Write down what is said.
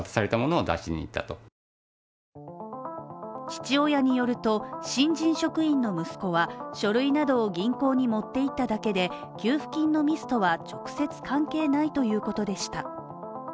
父親によると、新人職員の息子は書類などを銀行に持って行っただけで、給付金のミスとは直接関係ないということでした。